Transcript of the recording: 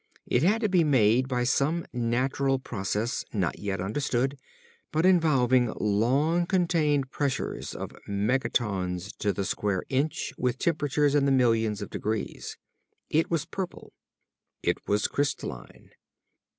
It had to be made by some natural process not yet understood, but involving long continued pressures of megatons to the square inch with temperatures in the millions of degrees. It was purple. It was crystalline.